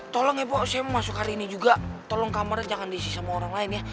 tolong ibu saya mau masuk hari ini juga tolong kamarnya jangan diisi sama orang lain ya